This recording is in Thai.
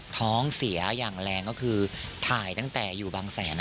ท้องเสียอย่างแรงก็คือถ่ายตั้งแต่อยู่บางแสน